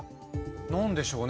何でしょうね？